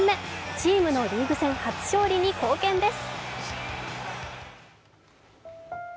チームのリーグ戦初勝利に貢献です。